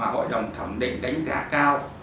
hội đồng thẩm định đánh giá cao